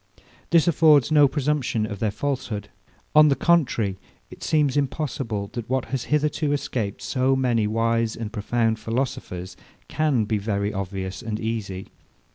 This affords no presumption of their falsehood. On the contrary, it seems impossible, that what has hitherto escaped so many wise and profound philosophers can be very obvious and easy.